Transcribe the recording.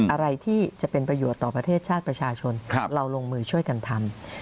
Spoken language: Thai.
อะไรที่จะเป็นประโยชน์ต่อประเทศชาติประชาชนเราลงมือช่วยกันทำ